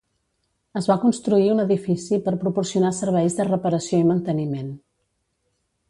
Es va construir un edifici per proporcionar serveis de reparació i manteniment.